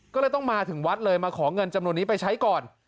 ก็เลยต้องมาถึงวัดเลยมาขอเงินจำนวนนี้ไปใช้ก่อน